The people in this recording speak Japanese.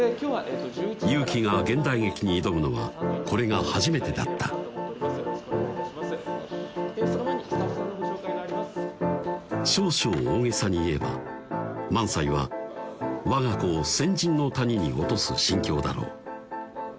裕基が現代劇に挑むのはこれが初めてだった少々大げさに言えば萬斎は我が子を千尋の谷に落とす心境だろう